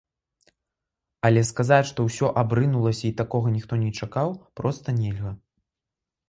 Але сказаць, што ўсё абрынулася і такога ніхто не чакаў, проста нельга.